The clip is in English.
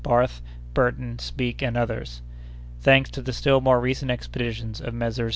Barth, Burton, Speke, and others. Thanks to the still more recent expeditions of Messrs.